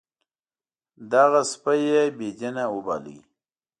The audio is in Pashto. دغه سپی یې بې دینه وباله.